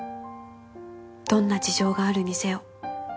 「どんな事情があるにせよ」